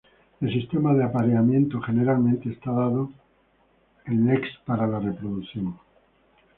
El sistema de apareamiento generalmente es dado en leks para la reproducción.